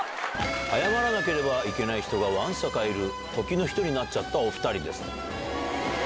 謝らなければいけない人がわんさかいる、時の人になっちゃったお２人です。